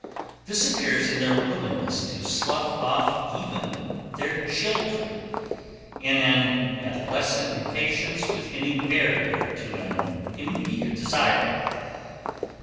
This appears in their willingness to slough off even their children, in an adolescent impatience with any barrier to an immediate desire.